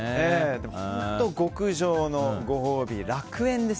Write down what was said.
本当極上のご褒美、楽園です。